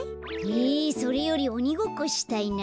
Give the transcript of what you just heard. えそれよりおにごっこしたいな。